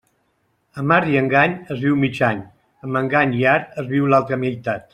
Amb art i engany, es viu mig any; amb engany i art, es viu l'altra meitat.